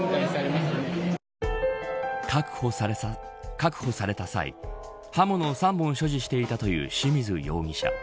確保された際刃物を３本所持していたという清水容疑者。